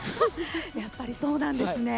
やっぱりそうなんですね。